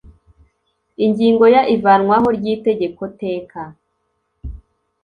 Ingingo ya ivanwaho ry itegeko teka